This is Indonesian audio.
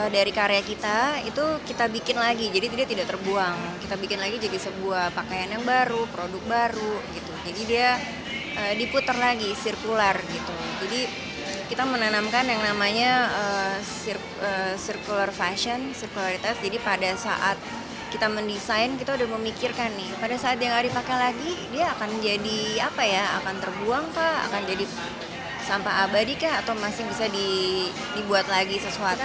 dia akan jadi apa ya akan terbuang kah akan jadi sampah abadi kah atau masih bisa dibuat lagi sesuatu